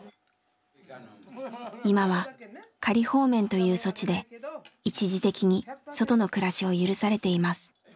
今は「仮放免」という措置で一時的に外の暮らしを許されています。